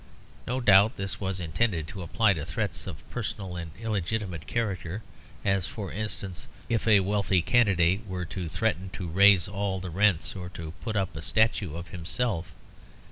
No doubt this was intended to apply to threats of a personal and illegitimate character; as, for instance, if a wealthy candidate were to threaten to raise all the rents, or to put up a statue of himself.